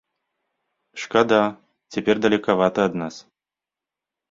Шкада, цяпер далекавата ад нас.